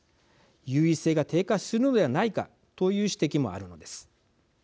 優位性が低下するのではないかという指摘もあるのです。